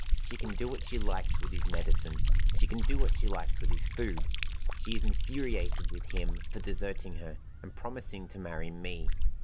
She can do what she likes with his medicine; she can do what she likes with his food: she is infuriated with him for deserting her, and promising to marry me.